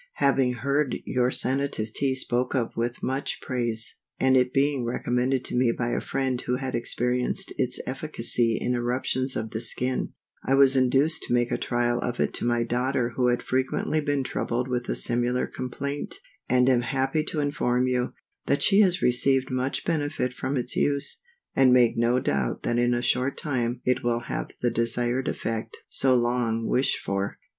HAVING heard your Sanative Tea spoke of with much praise, and it being recommended to me by a friend who had experienced its efficacy in eruptions of the skin I was induced to make trial of it to my daughter who had frequently been troubled with a similar complaint, and am happy to inform you, that she has received much benefit from its use, and make no doubt that in a short time it will have the desired effect so long wished for.